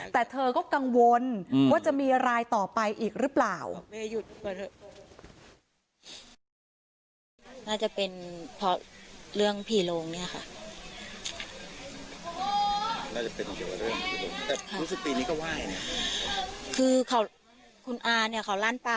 แต่เธอก็กังวลว่าจะมีรายต่อไปอีกหรือเปล่า